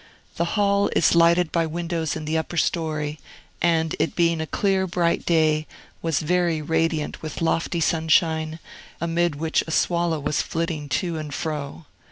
The hall is lighted by windows in the upper story, and, it being a clear, bright day, was very radiant with lofty sunshine, amid which a swallow was flitting to and fro.